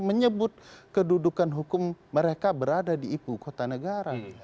menyebut kedudukan hukum mereka berada di ibu kota negara